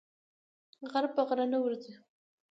غر په غره نه ورځي.